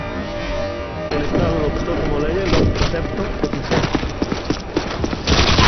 El Estado adoptó como leyes los preceptos eclesiásticos.